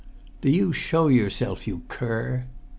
"Do you show yourself, you cur!"